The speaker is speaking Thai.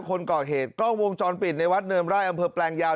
คนก่อเหตุกล้องวงจรปิดในวัดเนินไร่อำเภอแปลงยาว